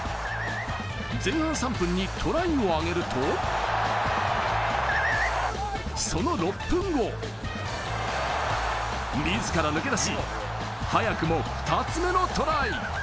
前半３分にトライをあげると、その６分後、自ら抜け出し、早くも２つ目のトライ。